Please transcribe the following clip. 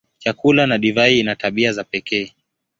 Chakula na divai ina tabia za pekee.